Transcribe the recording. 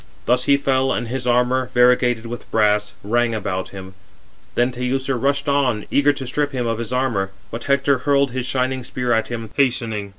Thus he fell, and his armour, variegated with brass, rang about him. Then Teucer rushed on, eager to strip him of his armour; but Hector hurled his shining spear at him, hastening.